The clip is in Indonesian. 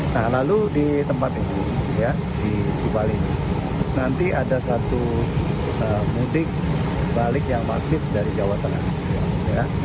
nah lalu di tempat ini di bali nanti ada satu mudik balik yang masif dari jawa tengah